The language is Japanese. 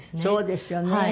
そうですよね。